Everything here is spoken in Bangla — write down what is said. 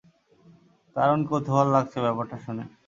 দারুণ কৌতুহল লাগছে ব্যাপারটা শুনে!